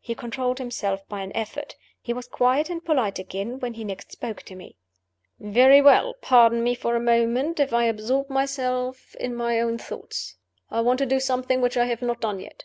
He controlled himself by an effort he was quiet and polite again when he next spoke to me. "Very well. Pardon me for a moment if I absorb myself in my own thoughts. I want to do something which I have not done yet."